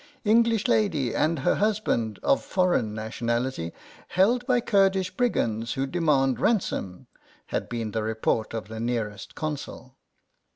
"English lady and her husband, of foreign nationality, held by Kurdish brigands who demand ransom " had been the report of the nearest Consul.